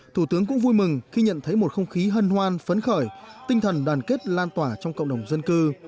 thủ tướng cũng vui mừng khi nhận thấy một không khí hân hoan phấn khởi tinh thần đoàn kết lan tỏa trong cộng đồng dân cư